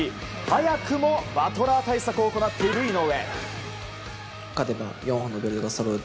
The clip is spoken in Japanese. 早くもバトラー対策を行っている井上。